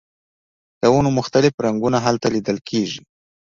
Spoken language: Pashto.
د ونو مختلف رنګونه هلته لیدل کیږي